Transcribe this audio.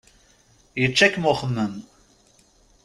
Yečča-kem uxemmem.